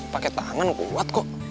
pakai tangan kuat kok